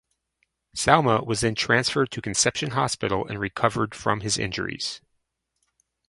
Salameh was then transferred to Conception Hospital and recovered from his injuries.